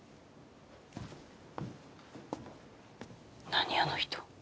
何あの人。